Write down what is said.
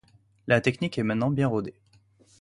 La technique est maintenant bien rodée.